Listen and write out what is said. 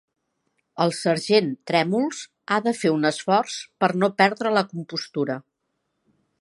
La sergent Trèmols ha de fer un esforç per no perdre la compostura.